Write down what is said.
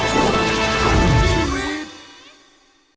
คุณชะกัล